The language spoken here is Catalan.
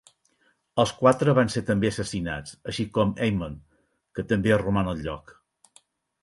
Els quatre van ser també assassinats, així com Amon, qui també roman al lloc.